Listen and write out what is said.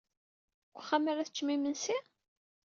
Deg uxxam ara teččem imensi?